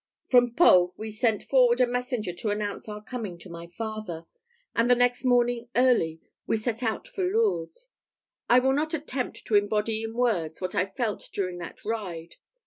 From Pau we sent forward a messenger to announce our coming to my father, and the next morning early we set out for Lourdes. I will not attempt to embody in words what I felt during that ride.